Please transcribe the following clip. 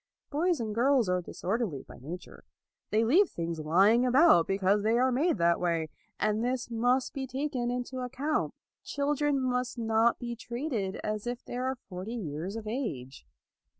Boys and girls are disor derly by nature. They leave things lying about, because they are made that way. And this must be taken into account. Chil dren must not be treated as if they were forty years of age.